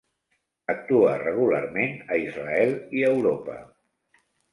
Actua regularment a Israel i Europa.